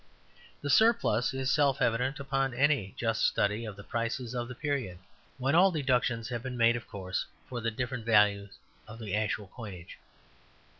The surplus is self evident upon any just study of the prices of the period, when all deductions have been made, of course, for the different value of the actual coinage.